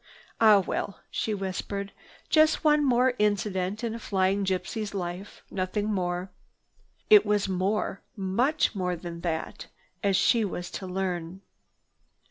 "Ah well," she whispered, "just one more incident in a flying gypsy's life—nothing more." It was more, much more than that, as she was to learn.